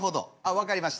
分かりました。